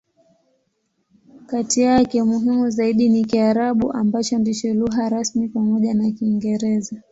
Kati yake, muhimu zaidi ni Kiarabu, ambacho ndicho lugha rasmi pamoja na Kiingereza.